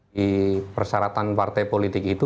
di persyaratan partai politik itu